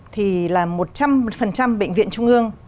thì là một trăm linh bệnh viện trung ương